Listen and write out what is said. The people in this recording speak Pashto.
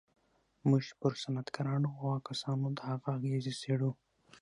موږ پر صنعتکارانو او هغو کسانو د هغه اغېز څېړو